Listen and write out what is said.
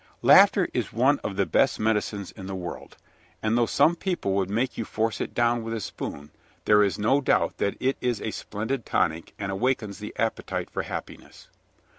Laughter is one of the best medicines in the world, and though some people would make you force it down with a spoon, there is no doubt that it is a splendid tonic and awakens the appetite for happiness.